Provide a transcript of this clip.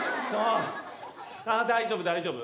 ああ大丈夫大丈夫。